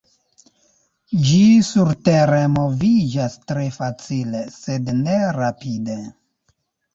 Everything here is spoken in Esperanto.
Ĝi surtere moviĝas tre facile, sed ne rapide.